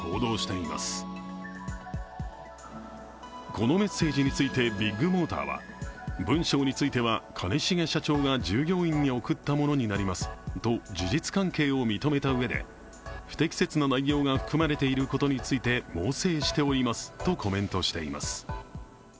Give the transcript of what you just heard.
このメッセージについてビッグモーターは文章については兼重社長が従業員に送ったものになりますと事実関係を認めたうえで不適切な内容が含まれていることについて猛省しておりますとコメントしています。